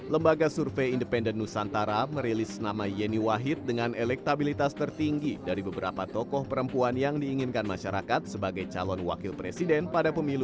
lembaga survei independen nusantara merilis nama yeni wahid dengan elektabilitas tertinggi dari beberapa tokoh perempuan yang diinginkan masyarakat sebagai calon wakil presiden pada pemilu dua ribu sembilan belas